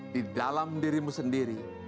di dalam dirimu sendiri